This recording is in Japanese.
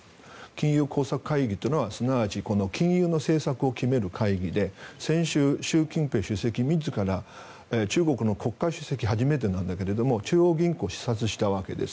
金融工作会議というのはすなわち、金融の政策を決める会議で先週、習近平国家主席自ら中国の国家主席は初めてなんですけれど中央銀行を視察したんです。